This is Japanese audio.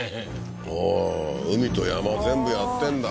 おおー海と山全部やってんだ